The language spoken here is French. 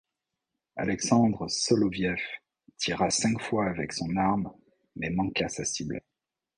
Alexandre Soloviev tira cinq fois avec son arme mais manqua sa cible.